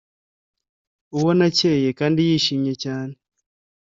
ubona akeye kandi yishimye cyane.